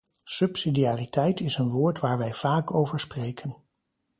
Subsidiariteit is een woord waar wij vaak over spreken.